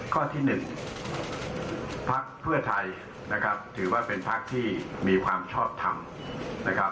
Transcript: ข้อที่๑พักเพื่อไทยนะครับถือว่าเป็นพักที่มีความชอบทำนะครับ